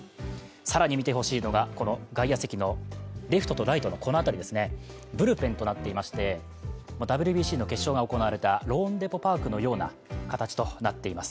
更に見てほしいのが外野席のレフトとライトのこの辺りですねブルペンとなっていまして、ＷＢＣの決勝が行われたローンデポ・パークのような形となっています。